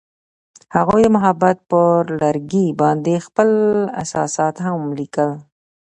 هغوی د محبت پر لرګي باندې خپل احساسات هم لیکل.